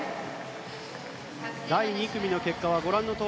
第２組の結果です。